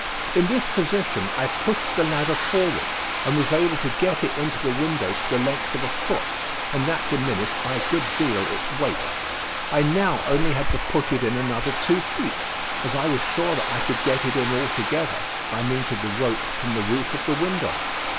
In this position I pushed the ladder forward, and was able to get it into the window to the length of a foot, and that diminished by a good deal its weight. I now only had to push it in another two feet, as I was sure that I could get it in altogether by means of the rope from the roof of the window.